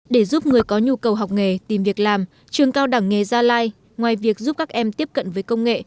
để giúp người có nhu cầu học nghề tìm việc làm trường cao đẳng nghề gia lai ngoài việc giúp các em tiếp cận với công nghệ